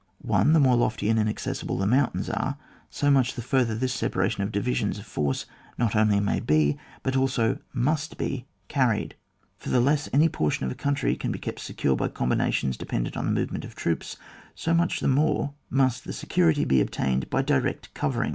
1. The more lofty and inaccessible the mountains are, so much the further this separation of divisions of the force not only may be, hut also must be^ carried ; for the less any portion of a country can be kept secure by combinations dependent on the movement of troops, so much the more must the security be obtained by direct covering.